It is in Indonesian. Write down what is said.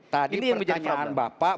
tadi pertanyaan bapak